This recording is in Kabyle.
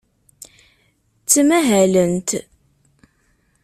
Ttmahalent.